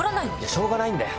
しょうがないんだよ。